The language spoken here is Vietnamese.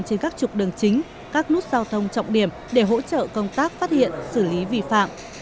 trên các trục đường chính các nút giao thông trọng điểm để hỗ trợ công tác phát hiện xử lý vi phạm